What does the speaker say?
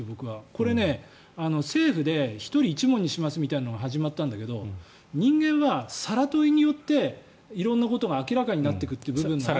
これ、政府で１人１問にしますというのが始まったんだけど人間は更問によって色んな部分が明らかになってくる。